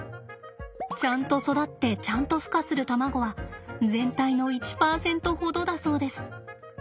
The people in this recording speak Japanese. ちゃんと育ってちゃんとふ化する卵は全体の１％ほどだそうです。